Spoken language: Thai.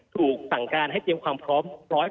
ถูกสั่งการให้เตรียมความพร้อม